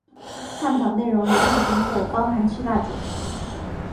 探讨内容也很丰富，包含七大主题